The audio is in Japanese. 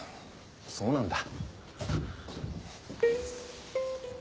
そうなんだ。